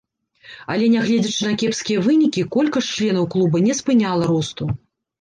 Але нягледзячы на кепскія вынікі, колькасць членаў клуба не спыняла росту.